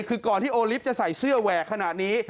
คือก่อนที่โอลิฟต์จะใส่เสื้อแหวกขนาดนี้